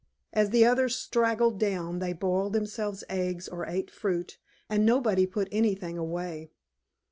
As the others straggled down they boiled themselves eggs or ate fruit, and nobody put anything away.